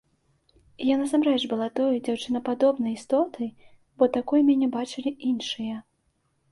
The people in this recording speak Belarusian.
І я насамрэч была той дзяўчынкападобнай істотай, бо такой мяне бачылі іншыя.